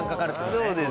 そうですね